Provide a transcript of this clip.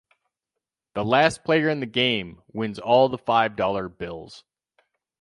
The last player in the game wins all the five dollar bills.